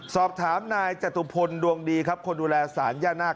สอบถามนายจตุพลดวงดีครับคนดูแลสารย่านาค